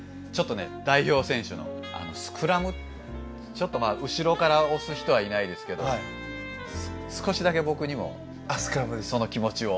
ちょっとまあ後ろから押す人はいないですけど少しだけ僕にもその気持ちを。